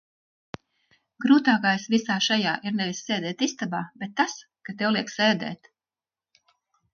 Grūtākais visā šajā ir nevis sēdēt istabā, bet tas, ka tev liek sēdēt.